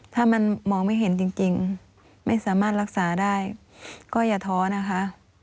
ถ้ามันมองไม่เห็นจริงไม่สามารถรักษาได้ก็อย่าท้อนะคะ